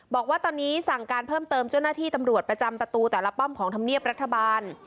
บอกว่าตอนนี้สั่งการเพิ่มเติมเจ้าหน้าที่ตำรวจประจำประตูแต่ละป้อมของธรรมเนียบรัฐบาล